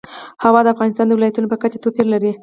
هوا د افغانستان د ولایاتو په کچه توپیر لري.